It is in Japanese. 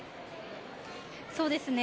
そうですね。